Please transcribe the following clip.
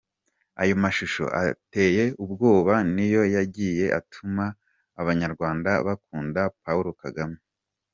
Ayo mashusho ateye ubwoba niyo yagiye atuma abanyarwanda “bakunda” Paulo Kagame.